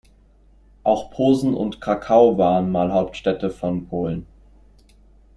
Auch Posen und Krakau waren mal Hauptstädte von Polen.